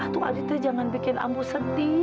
tidak adit jangan bikin ambu sedih